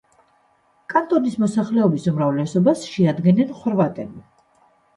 კანტონის მოსახლეობის უმრავლესობას შეადგენენ ხორვატები.